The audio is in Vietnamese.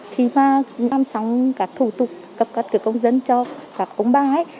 khi mà làm xong các thủ tục cấp căn cước công dân cho các ông bà ấy